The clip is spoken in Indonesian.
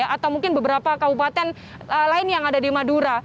atau mungkin beberapa kabupaten lain yang ada di madura